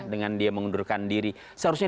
dengan dia mengundurkan diri seharusnya